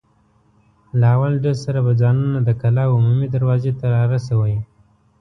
له اول ډز سره به ځانونه د کلا عمومي دروازې ته را رسوئ.